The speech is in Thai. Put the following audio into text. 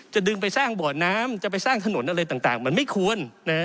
ดึงไปสร้างบ่อน้ำจะไปสร้างถนนอะไรต่างมันไม่ควร